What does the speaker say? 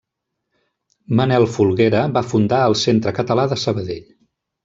Manuel Folguera va fundar el Centre Català de Sabadell.